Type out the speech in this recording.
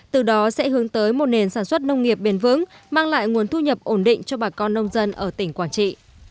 từ đó sẽ hướng tới một nền sản xuất nông nghiệp bền vững mang lại nguồn thu nhập ổn định cho bà con nông dân ở tỉnh quảng trị